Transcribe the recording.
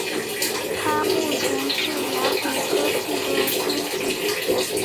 他目前是雅虎科技的编辑。